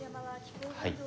はい。